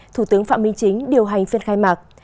thủ tướng phạm minh chính điều hành phiên khai mạc